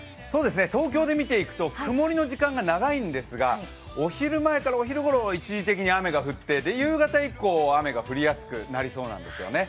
東京で見ていくと曇りの時間が長いんですがお昼前からお昼ごろ、一時的に雨が降って、夕方以降、雨が降りやすくなりそうなんですよね。